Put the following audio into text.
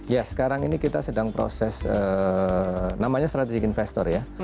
ya sekarang ini kita sedang proses namanya strategic investor ya